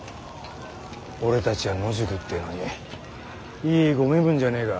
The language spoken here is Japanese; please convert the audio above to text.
俺たちは野宿ってのにいいご身分じゃねえか。